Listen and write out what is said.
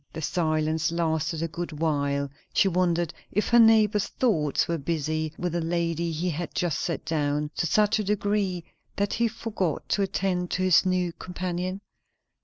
The silence lasted a good while; she wondered if her neighbour's thoughts were busy with the lady he had just set down, to such a degree that he forgot to attend to his new companion?